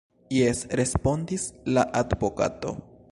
Jes, respondis la advokato.